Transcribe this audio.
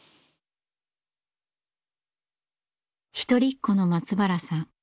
一人っ子の松原さん。